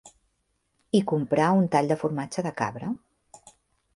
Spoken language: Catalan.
...i comprar un tall de formatge de cabra